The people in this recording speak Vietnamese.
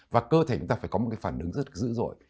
và cơ thể chúng ta phải có một cái phản ứng rất dữ dội